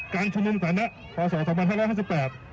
การชุมนุมศาลนั้นพศ๒๕๕๘